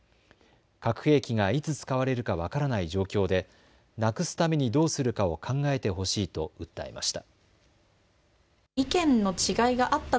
核兵器がいつ使われるか分からない状況でなくすためにどうするかを考えてほしいと訴えました。